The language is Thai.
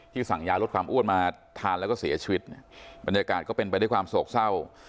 สั่งยาลดความอ้วนมาทานแล้วก็เสียชีวิตเนี่ยบรรยากาศก็เป็นไปด้วยความโศกเศร้า